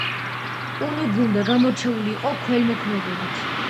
კუნიგუნდა გამორჩეული იყო ქველმოქმედებით.